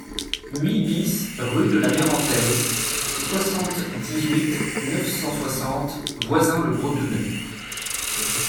huit BIS rue de la Mérantaise, soixante-dix-huit, neuf cent soixante, Voisins-le-Bretonneux